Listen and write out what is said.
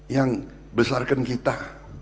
yang besarkan kita